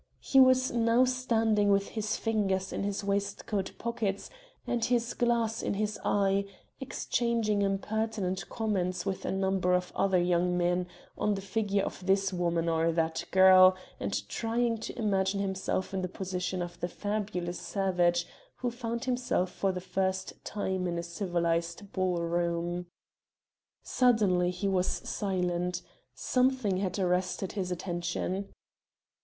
He was now standing with his fingers in his waistcoat pockets and his glass in his eye, exchanging impertinent comments with a number of other young men, on the figure of this woman or that girl, and trying to imagine himself in the position of the fabulous savage who found himself for the first time in a civilized ball room. Suddenly he was silent something had arrested his attention.